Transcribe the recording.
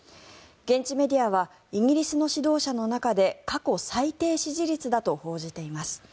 現地メディアはイギリスの指導者の中で過去最低支持率だと報じています。